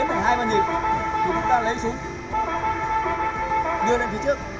với chương trình học